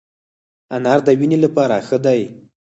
انار د وینې لپاره ښه دی